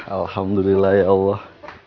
alhamdulillah ya allah